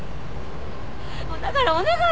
もうだからお願い。